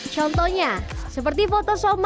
contohnya seperti foto somai sebagai objek utama